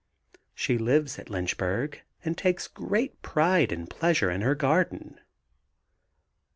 She lives at Lynchburg and takes great pride and pleasure in her garden.